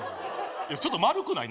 ちょっと丸くない？